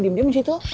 diam diam di situ